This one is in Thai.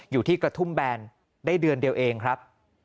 อยู่ที่กระทุ่มแบนได้เดือนเดียวเองครับ